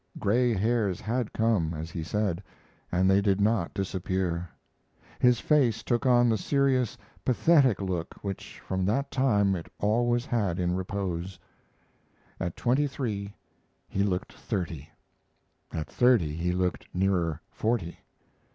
Gray hairs had come, as he said, and they did not disappear. His face took on the serious, pathetic look which from that time it always had in repose. At twenty three he looked thirty. At thirty he looked nearer forty.